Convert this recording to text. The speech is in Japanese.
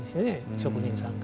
職人さんが。